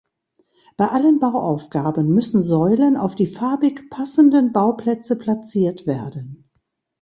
Bei allen Bauaufgaben müssen Säulen auf die farbig passenden Bauplätze platziert werden.